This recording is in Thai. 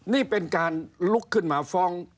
นี่เป็นการลุกขึ้นมาฟ้อง